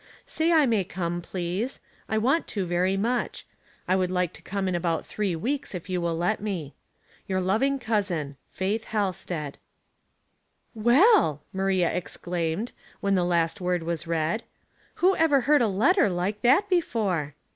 Say I may come, please. I want to very much. I would like to come in about three weeks, if you will let me. " Your loving cousin, "Faith Halsted." " Well I " Maria exclaimed, when the last word was read. " Who ever heard a letter like that before